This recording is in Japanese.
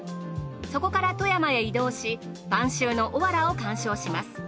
そこから富山へ移動し「晩秋のおわら」を鑑賞します。